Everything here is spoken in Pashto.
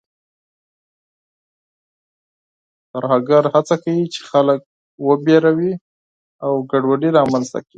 ترهګر هڅه کوي چې خلک وډاروي او ګډوډي رامنځته کړي.